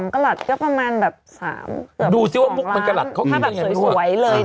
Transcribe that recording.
๒กระหลัดก็ประมาณแบบสามดูซะแบบ